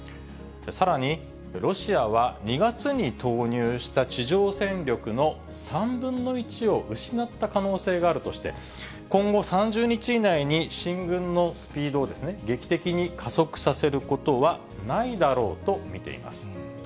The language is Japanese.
さらに、ロシアは２月に投入した地上戦力の３分の１を失った可能性があるとして、今後３０日以内に、進軍のスピードを劇的に加速させることはないだろうと見ています。